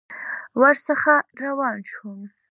ورڅخه روان شوم.